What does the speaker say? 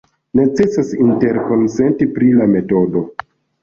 Necesas interkonsenti pri la metodo.